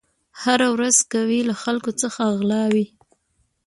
هره ورځ کوي له خلکو څخه غلاوي